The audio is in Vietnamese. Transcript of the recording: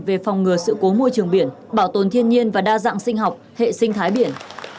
về phòng ngừa sự cố môi trường biển bảo tồn thiên nhiên và đa dạng sinh học hệ sinh thái biển